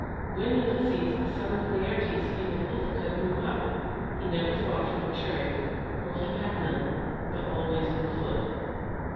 When Ulysses, the son of Laertes, King of Ithaca grew up, he never fought from a chariot, for he had none, but always on foot.